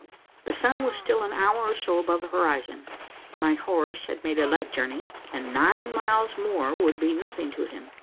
The sun was still an hour or so above the horizon. My horse had made but a light journey; and nine miles more would be nothing to him.